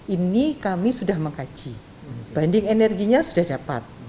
ini kami sudah mengkaji banding energinya sudah dapat